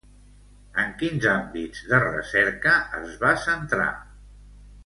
En quins àmbits de recerca es va centrar?